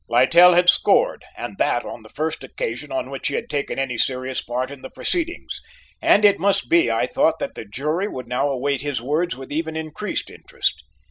Littell had scored, and that on the first occasion on which he had taken any serious part in the proceedings, and it must be, I thought, that the jury would now await his words with even increased interest.